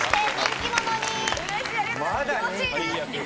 気持ちいいです。